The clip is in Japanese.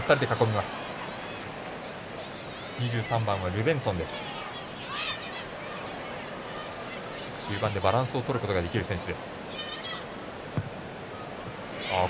ルベンソン、中盤でバランスをとることができる選手。